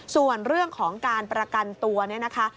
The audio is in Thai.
ส่วนเรื่องของการประกันตัวเนี่ยนะคะ